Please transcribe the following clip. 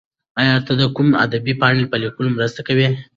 ایا ته د کوم ادبي پاڼې په لیکلو کې مرسته کوې؟